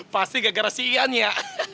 pasti gak gara gara si ian ya